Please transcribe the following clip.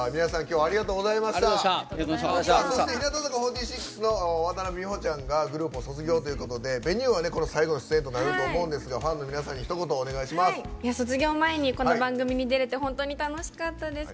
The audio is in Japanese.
日向坂４６の渡邉美穂ちゃんがグループを卒業ということで「Ｖｅｎｕｅ」最後の出演になると思うんですが、ファンの皆さんにひと言、お願いします。